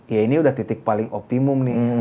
ya ini udah titik paling optimum nih